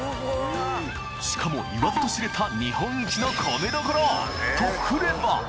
しかも言わずと知れた日本一の米どころ！とくれば！